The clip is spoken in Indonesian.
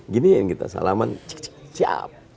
giniin kita salaman cik cik cik siap